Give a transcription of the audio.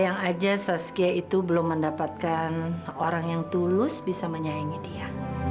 ya sayang saja saskia itu belum mendapatkan orang yang tulus bisa menyayangi dia